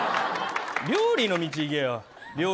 料理の道行けよ。